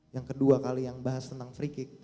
yang kedua kali yang bahas tentang free kick